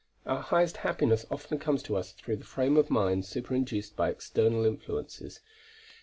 Our highest happiness often comes to us through the frame of mind superinduced by external influences.